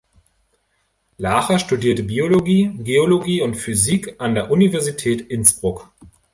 Larcher studierte Biologie, Geologie und Physik an der Universität Innsbruck.